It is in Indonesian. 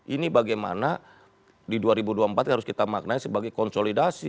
ini bagaimana di dua ribu dua puluh empat harus kita maknai sebagai konsolidasi